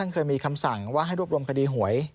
เคยมีคำสั่งว่าให้รวบรวมคดีหวย